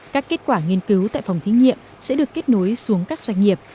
các kết quả nghiên cứu tại phòng thí nghiệm sẽ được kết nối xuống các doanh nghiệp